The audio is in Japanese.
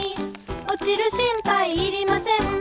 「おちる心配いりません」